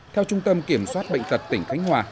theo trung tâm kiểm soát bệnh tật tỉnh khánh hòa